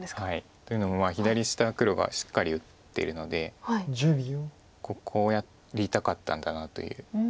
というのも左下黒がしっかり打ってるのでここをやりたかったんだなという。